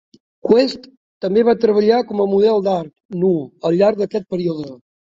West també va treballar com a model d'art nu al llarg d'aquest període.